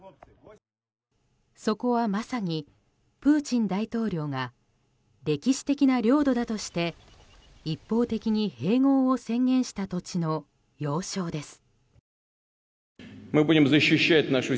そこはまさに、プーチン大統領が歴史的な領土だとして一方的に併合を宣言した土地の要衝です。